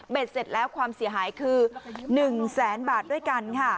เสร็จแล้วความเสียหายคือ๑แสนบาทด้วยกันค่ะ